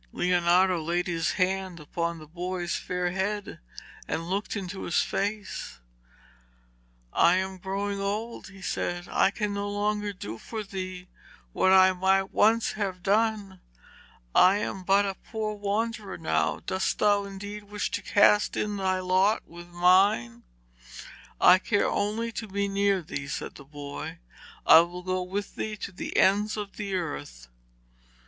Leonardo laid his hand upon the boy's fair head and looked into his face. 'I am growing old,' he said, 'and I can no longer do for thee what I might once have done. I am but a poor wanderer now. Dost thou indeed wish to cast in thy lot with mine?' 'I care only to be near thee,' said the boy. 'I will go with thee to the ends of the earth.'